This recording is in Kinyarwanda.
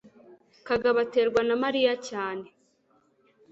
kagabo aterwa na mariya cyane